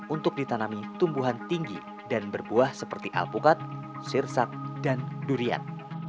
untuk ditanami tumbuhan tinggi dan berbuah seperti alpukat sirsak dan durian